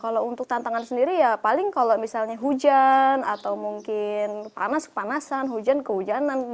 kalau untuk tantangan sendiri ya paling kalau misalnya hujan atau mungkin panas kepanasan hujan ke hujanan gitu kan